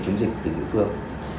chúng dịch từ địa phương